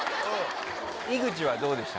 井口はどうでした。